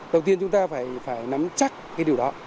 đầu tiên chúng ta phải nắm chắc cái điều đó